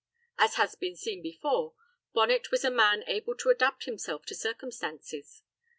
As has been seen before, Bonnet was a man able to adapt himself to circumstances.